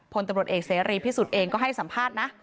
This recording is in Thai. พลตำรวจเอกเสรีพิสุทธิ์เองก็ให้สัมภาษณ์นะ